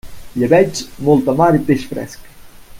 Llebeig, molta mar i peix fresc.